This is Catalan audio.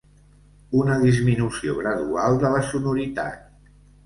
Una disminució gradual de la sonoritat.